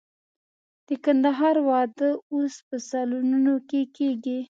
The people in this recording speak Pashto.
د کندهار واده اوس په سالونونو کې کېږي.